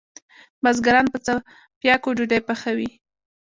بزګران په څپیاکو ډوډئ پخوی